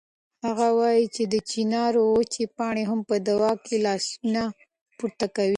هغه وایي چې د چنار وچې پاڼې هم په دعا لاسونه پورته کوي.